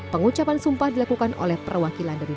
pengucapan sumpah dilakukan oleh perwakilan dari